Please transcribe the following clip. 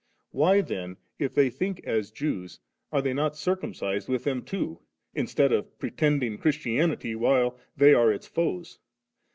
Why then, if they think as Jews, are they not circumcised with them too, instead of pre tending Christianity, while they are its foes?